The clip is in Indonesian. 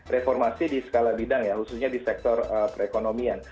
reformasi di skala bidang ya khususnya di sektor perekonomian